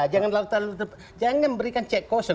jangan berikan check caution